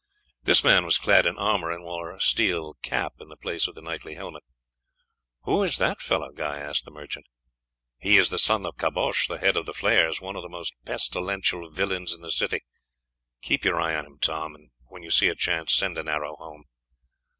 This man was clad in armour, and wore a steel cap in the place of the knightly helmet. "Who is that fellow?" Guy asked the merchant. "He is the son of Caboche, the head of the flayers, one of the most pestilent villains in the city." "Keep your eye on him, Tom, and when you see a chance send an arrow home."